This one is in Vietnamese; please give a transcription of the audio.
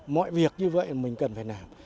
mọi việc như vậy mình cần phải làm